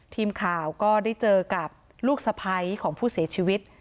ทีมข่าวก็ได้เจอกับลูกสะพ้ายของผู้เสียชีวิต